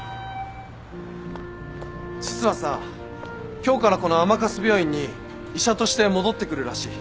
実はさ今日からこの甘春病院に医者として戻ってくるらしい